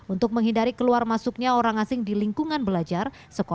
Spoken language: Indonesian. untuk menghindari keluar masuknya orang asing di lingkungan belajar